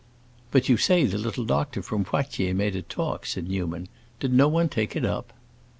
"But you say the little doctor from Poitiers made a talk," said Newman. "Did no one take it up?"